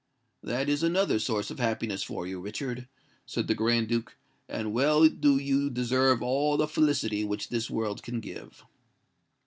"That is another source of happiness for you, Richard," said the Grand Duke; "and well do you deserve all the felicity which this world can give."